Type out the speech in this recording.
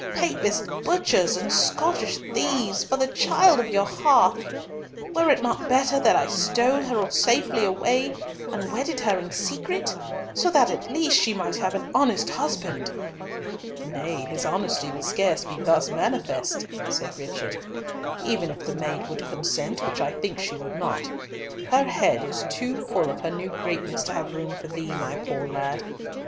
Papist butchers and Scottish thieves, for the child of your hearth! Were it not better that I stole her safely away and wedded her in secret, so that at least she might have an honest husband?" "Nay, his honesty would scarce be thus manifest," said Richard, "even if the maid would consent, which I think she would not. Her head is too full of her new greatness to have room for thee, my poor lad.